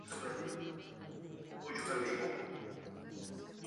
Su ejecución se llevó a cabo en los Estados Unidos.